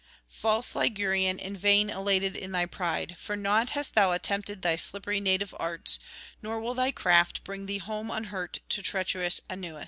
'False Ligurian, in vain elated in thy pride! for naught hast thou attempted thy slippery native arts, nor will thy craft bring thee home unhurt to treacherous Aunus.'